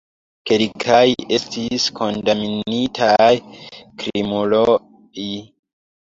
Kelkaj estis kondamnitaj krimuloj.